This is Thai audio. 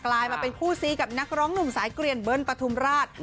ลายมาเป็นคู่ซีกับนักร้องหนุ่มสายเกลียนเบิ้ลปฐุมราช